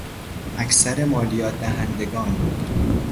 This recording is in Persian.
اکثر مالیاتدهندگان